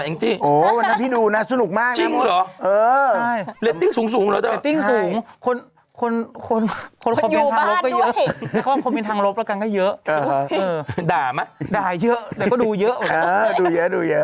อ่าฮะด่าไหมด่าเยอะแต่ก็ดูเยอะออกไปเลยนะครับค่ะดูเยอะ